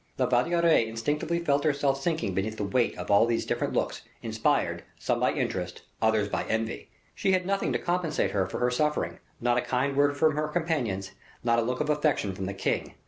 La Valliere instinctively felt herself sinking beneath the weight of all these different looks, inspired, some by interest, others by envy. She had nothing to compensate her for her sufferings, not a kind word from her companions, nor a look of affection from the king.